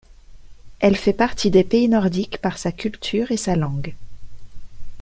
Elle fait partie des pays nordiques par sa culture et sa langue.